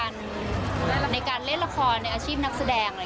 ในการเล่นละครในอาชีพนักแสดงอะไรอย่างนี้